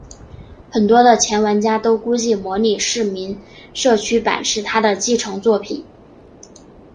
很多的前玩家都估计模拟市民社区版是它的继承作品。